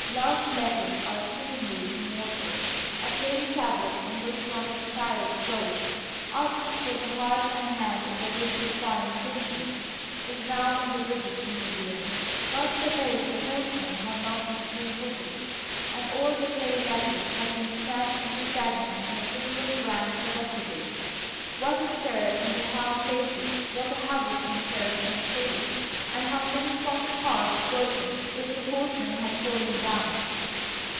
Love letters are seemingly immortal. A clay tablet on which one of the Pharaohs wrote, asking for the heart and hand of a beautiful foreign princess, is now in the British Museum. But suppose the postman had not been sure footed, and all the clay letters had been smashed into fragments in a single grand catastrophe! What a stir in high places, what havoc in Church and State, and how many fond hearts broken, if the postman had fallen down!